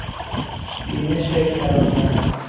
بینش کرانمند